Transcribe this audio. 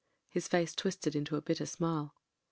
His face twisted into a bitter smile.